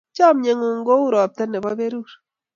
Chamyengung ko u ropta nebo perur